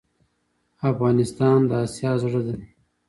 افغانستان د آسیا زړه ده.